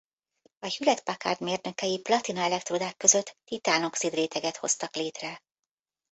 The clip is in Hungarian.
A Hewlett-Packard mérnökei platina elektródák között titán-oxid réteget hoztak létre.